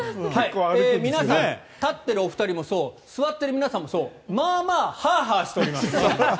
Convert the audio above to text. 皆さん立っているお二人もそう座っている皆さんもそうまあまあハアハアしております。